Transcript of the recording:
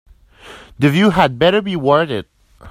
The view had better be worth it.